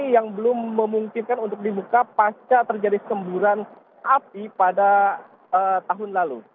yang belum memungkinkan untuk dibuka pasca terjadi semburan api pada tahun lalu